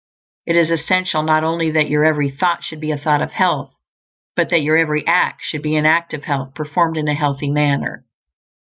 It is essential not only that your every thought should be a thought of health, but that your every act should be an act of health, performed in a healthy manner.